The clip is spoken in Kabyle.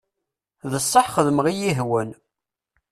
D sseḥ xedmeɣ iyi-ihwan.